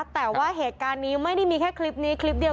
แต่ว่าเหตุการณ์นี้ไม่ได้มีแค่คลิปนี้คลิปเดียว